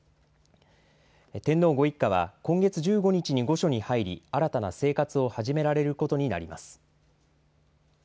天皇ご一家は今月１５日に御所に入り、新たな生活を始められることになります。